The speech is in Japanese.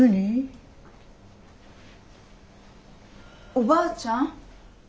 おばあちゃん？